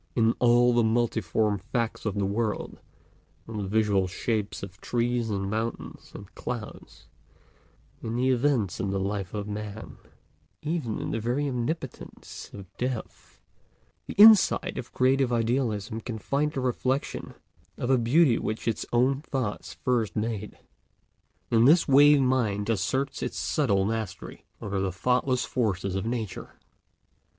In all the multiform facts of the world—in the visual shapes of trees and mountains and clouds, in the events of the life of man, even in the very omnipotence of Death—the insight of creative idealism can find the reflection of a beauty which its own thoughts first made. In this way mind asserts its subtle mastery over the thoughtless forces of Nature.